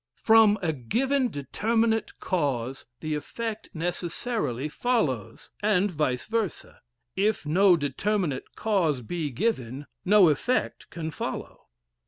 From a given determinate cause the effect necessarily follows, and vice versa. If no determinate cause be given, no effect can follow.